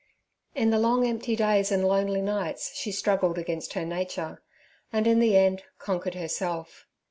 In the long, empty days and lonely nights she struggled against her nature, and in the end conquered herself.